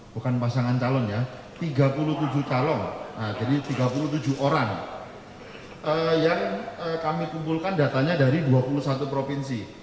bukan pasangan calon ya tiga puluh tujuh calon jadi tiga puluh tujuh orang yang kami kumpulkan datanya dari dua puluh satu provinsi